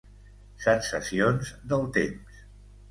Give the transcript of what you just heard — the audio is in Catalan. Sensacions del temps.